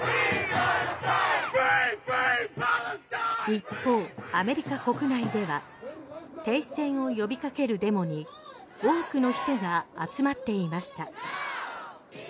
一方、アメリカ国内では停戦を呼びかけるデモに多くの人が集まっていました。